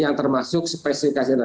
yang termasuk spesifikasi